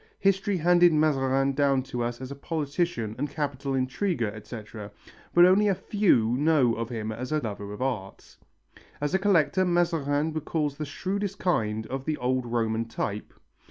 History handed Mazarin down to us as a politician and capital intriguer, etc., but only few know of him as a lover of art. As a collector Mazarin recalls the shrewdest kind of the old Roman type.